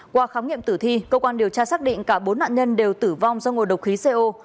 qua khám nghiệm tử thi cơ quan điều tra xác định cả bốn nạn nhân đều tử vong do ngồi độc khí co